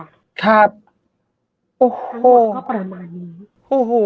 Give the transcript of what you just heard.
ทั้งหมดก็ประมาณนี้